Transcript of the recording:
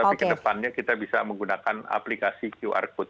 tapi ke depannya kita bisa menggunakan aplikasi qr code